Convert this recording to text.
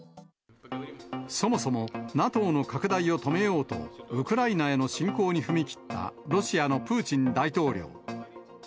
そもそも、ＮＡＴＯの拡大を止めようと、ウクライナへの侵攻に踏み切ったロシアのプーチン大統領。